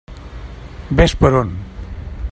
Ves per on!